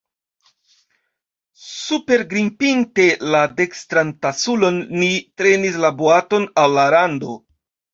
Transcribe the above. Suprengrimpinte la dekstran taluson, ni trenis la boaton al la rando.